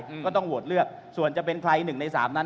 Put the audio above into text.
ก็ต้องโหวตเลือกส่วนจะเป็นใครหนึ่งในสามนั้น